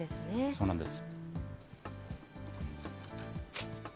そうなんです。